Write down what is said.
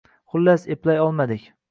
«Xullas, eplay olmadik.